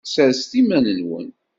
Sserset iman-nwen.